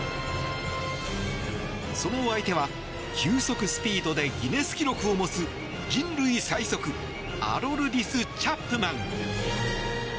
その相手は球速スピードでギネス記録を持つ人類最速アロルディス・チャプマン。